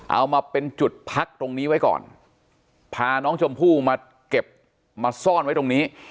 เอามาเป็นจุดพักตรงนี้ไว้ก่อนพาน้องชมพู่มาเก็บมาซ่อนไว้ตรงนี้